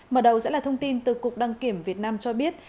mở đầu sẽ là thông tin từ cục đăng kiểm việt nam cho biết